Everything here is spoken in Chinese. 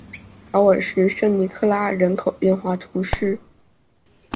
考尔什圣尼科拉人口变化图示